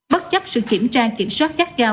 bất chấp sự kiểm tra kiểm soát khắc cao